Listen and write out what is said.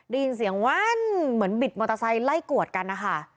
ได้ยินเสียงวันเหมือนบิดมอเตอร์ไซค์ไล่กวดกันนะคะ